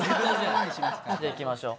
じゃあいきましょう。